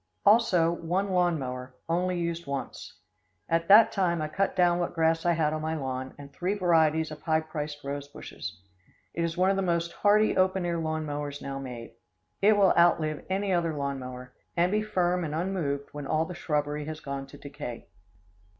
Also one lawn mower, only used once. At that time I cut down what grass I had on my lawn, and three varieties of high priced rose bushes. It is one of the most hardy open air lawn mowers now made. It will outlive any other lawn mower, and be firm and unmoved when all the shrubbery has gone to decay.